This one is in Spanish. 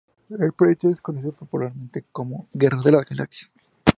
El proyecto es conocido popularmente como "Guerra de las Galaxias".